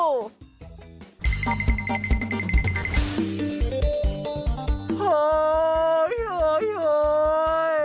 เฮ้ยเฮ้ยเฮ้ย